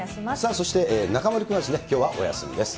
そして中丸君はきょうはお休みです。